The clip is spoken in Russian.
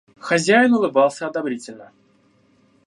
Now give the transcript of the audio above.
Хозяин улыбался одобрительно.